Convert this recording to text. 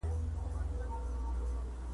ځینو کسانو لکه جېمز مک ارتر وړاندیز وکړ.